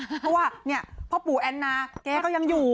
เพราะว่าพ่อปู่แอนนาแกก็ยังอยู่